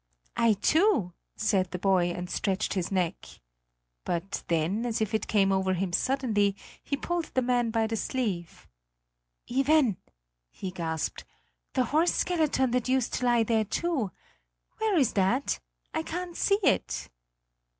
"I too," said the boy and stretched his neck; but then, as if it came over him suddenly, he pulled the man by the sleeve. "Iven," he gasped, "the horse skeleton, that used to lie there too where is that? I can't see it!"